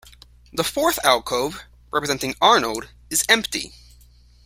The fourth alcove, representing Arnold, is empty.